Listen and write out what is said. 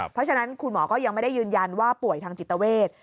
เพราะฉะนั้นคุณหมอก็ยังไม่ได้ยืนยันว่าป่วยทางจิตเวท